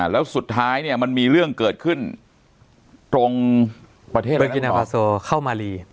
แล้วสุดท้ายมันมีเรื่องเกิดขึ้นตรงเมืองแมลนดรรมเศรษฐ์เข้ามารี